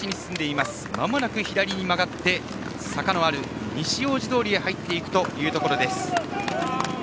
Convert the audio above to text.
まもなく左に曲がって坂のある西大路通へ入っていくというところ。